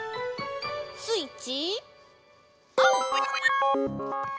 スイッチオン！